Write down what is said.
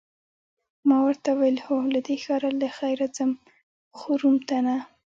ما ورته وویل: هو، له دې ښاره له خیره ځم، خو روم ته نه.